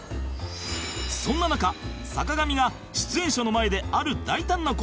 そんな中坂上が出演者の前である大胆な行動に出たという